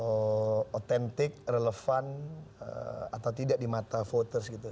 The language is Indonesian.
oh otentik relevan atau tidak di mata voters gitu